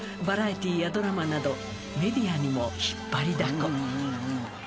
バラエティーやドラマなどメディアにも引っ張りだこ］